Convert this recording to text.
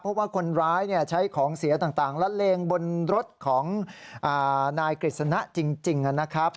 เพราะว่าคนร้ายใช้ของเสียต่างละเลงบนรถของนายกฤษณะจริงนะครับ